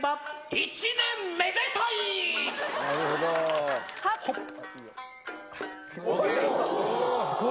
１年めでたい。